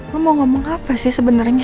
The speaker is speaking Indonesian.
lo mau ngomong apa sih sebenarnya